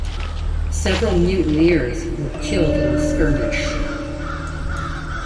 Several mutineers were killed in the skirmish.